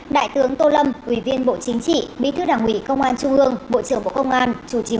đại tướng tô lâm ủy viên bộ chính trị bí thư đảng ủy công an trung ương bộ trưởng bộ công an chủ trì